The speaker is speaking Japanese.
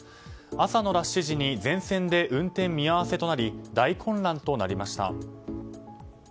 朝のラッシュ時に全線で運転見合わせとなり大混乱となりました。